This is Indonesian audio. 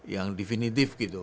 yang definitif gitu